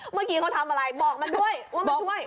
เมื่อกี้เขาทำอะไรบอกมันด้วยว่ามาช่วย